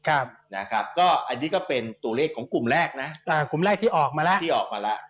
อันนี้ก็เป็นตัวเลขของกลุ่มแรกที่ออกมาแล้ว